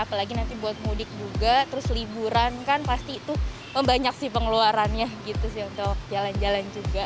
apalagi nanti buat mudik juga terus liburan kan pasti tuh membanyak sih pengeluarannya gitu sih untuk jalan jalan juga